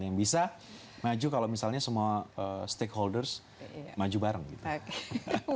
yang bisa maju kalau misalnya semua stakeholders maju bareng gitu ya